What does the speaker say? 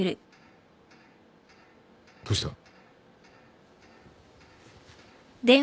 どうした？